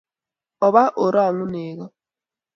oba orong'un nego